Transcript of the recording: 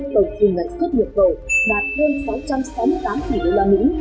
tổng thương ngành xuất nhuận cầu đạt hơn sáu trăm sáu mươi tám tỷ đô la mỹ